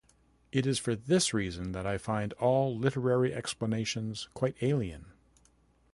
It is for this reason that I find all literary explanations quite alien.